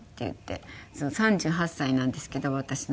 ３８歳なんですけど私の息子は。